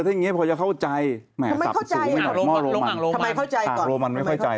แต่เห็นเขาใช้สั่งโรมัโมซุกี้